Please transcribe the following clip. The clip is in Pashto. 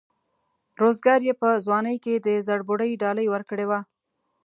روزګار یې په ځوانۍ کې د زړبودۍ ډالۍ ورکړې وه.